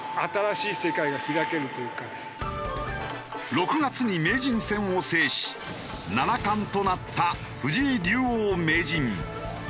６月に名人戦を制し七冠となった藤井竜王・名人。